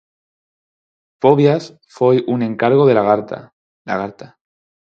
'Fobias' foi un encargo de Lagarta, Lagarta.